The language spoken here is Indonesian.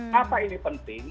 kenapa ini penting